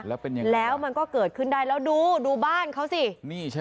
แล้วมันก็เกิดขึ้นได้แล้วดูดูบ้านเขาสิ